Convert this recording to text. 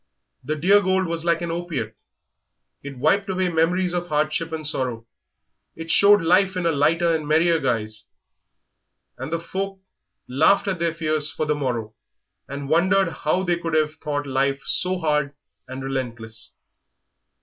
The dear gold was like an opiate; it wiped away memories of hardship and sorrow, it showed life in a lighter and merrier guise, and the folk laughed at their fears for the morrow and wondered how they could have thought life so hard and relentless.